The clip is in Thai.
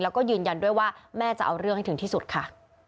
แล้วก็ยืนยันด้วยว่าแม่จะเอาเรื่องให้ถึงที่สุดค่ะ